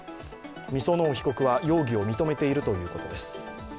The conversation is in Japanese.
御園生被告は容疑を認めているということです。